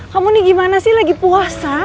kamu nih gimana sih lagi puasa